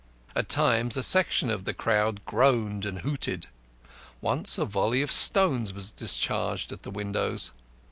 At times a section of the crowd groaned and hooted. Once a volley of stones was discharged at the windows.